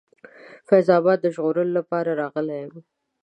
فیض آباد د ژغورلو لپاره راغلی یم.